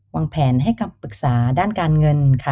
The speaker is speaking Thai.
วางแผนให้คำปรึกษาด้านการเงินค่ะ